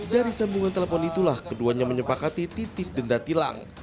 dari sambungan telepon itulah keduanya menyepakati titip denda tilang